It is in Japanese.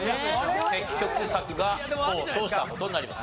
積極策が功を奏した事になります。